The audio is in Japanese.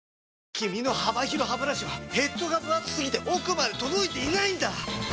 君の幅広ハブラシはヘッドがぶ厚すぎて奥まで届いていないんだ！